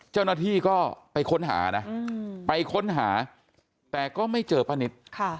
เจ้าหน้าที่ก็ไปค้นหานะไปค้นหาแต่ก็ไม่เจอป้านิต